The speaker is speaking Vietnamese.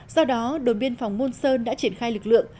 do đó đồn biên phòng môn sơn đã triển khai lực lượng